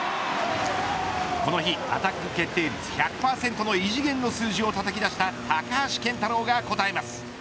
この日アタック決定率１００％の異次元の数字をたたき出した高橋健太郎が応えます。